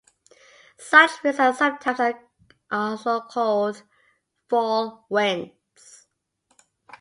Such winds are sometimes also called fall winds.